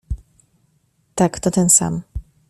"Tak, to ten sam."